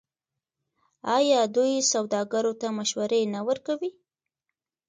آیا دوی سوداګرو ته مشورې نه ورکوي؟